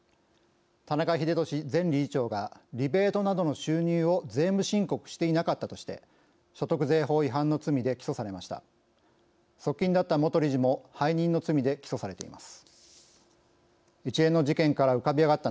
田中英壽前理事長がリベートなどの収入を税務申告していなかったとして所得税法違反の罪で起訴されました。